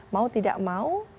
mau tidak mau